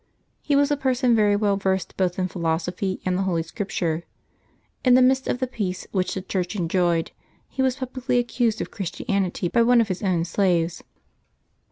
He was a person very well versed both in philosophy and the Holy Scripture. In the midst of the peace which the Church enjoyed, he was publicly accused of Christianity by one of his own slaves.